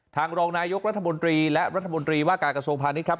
ทางรองนายยกรัฐบนตรีและรัฐบนตรีว่าการกระทบพันธ์นี้ครับ